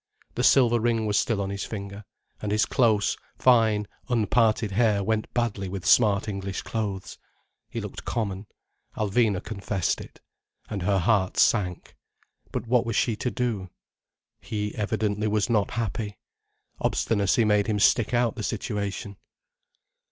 The silver ring was still on his finger—and his close, fine, unparted hair went badly with smart English clothes. He looked common—Alvina confessed it. And her heart sank. But what was she to do? He evidently was not happy. Obstinacy made him stick out the situation.